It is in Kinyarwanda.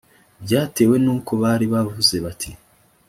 byatewe n’uko bari bavuze bati